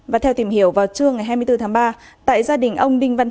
và theo tìm hiểu vào trưa ngày hai mươi bốn tháng ba tại gia đình ông đinh văn